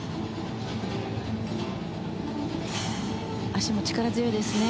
脚も力強いですね。